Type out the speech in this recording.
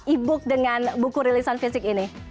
e book dengan buku rilisan fisik ini